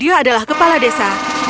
dia adalah kepala desa